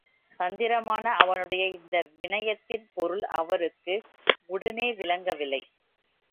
தந்திரமான அவனுடைய இந்த விநயத்தின் பொருள் அவருக்கு உடனே விளங்கவில்லை.